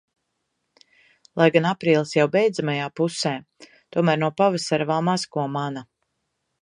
Lai gan aprīlis jau beidzamajā pusē, tomēr no pavasara vēl maz ko mana.